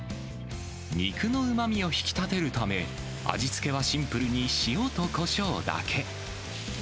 肉のうまみを引きたてるため、味付けはシンプルに塩とこしょうだけ。